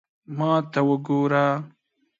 ما ته وګوره